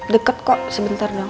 deket kok sebentar dong